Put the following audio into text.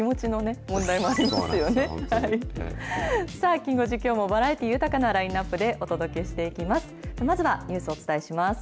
さあ、きん５時、きょうもバラエティー豊かなラインナップでお届けしていきます。